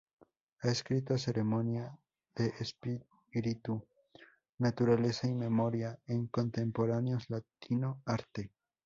Ha escrito "Ceremonia de Espíritu: Naturaleza y Memoria en Contemporáneos Latino Arte".